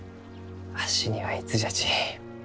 わしにはいつじゃち